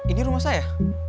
ini rumah saya